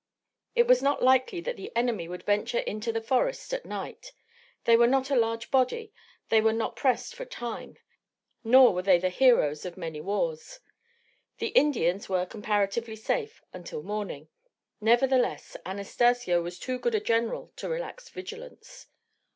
It was not likely that the enemy would venture into the forest at night. They were not a large body, they were not pressed for time, nor were they the heroes of many wars. The Indians were comparatively safe until morning; nevertheless, Anastacio was too good a general to relax vigilance.